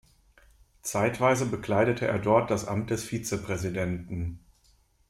Zeitweise bekleidete er dort das Amt des Vizepräsidenten.